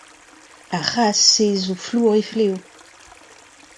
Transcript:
Ar c'hazh-se a zo flour e vlev.